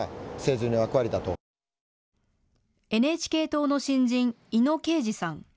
ＮＨＫ党の新人、猪野恵司さん。